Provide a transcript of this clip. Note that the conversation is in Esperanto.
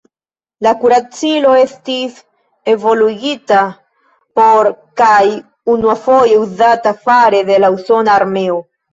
La kuracilo estis evoluigita por kaj unuafoje uzata fare de la usona armeo.